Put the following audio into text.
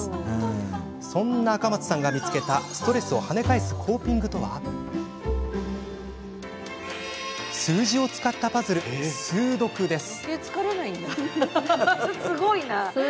そんな赤松さんが見つけたストレスを跳ね返すコーピングとは数字を使ったパズル、数独です。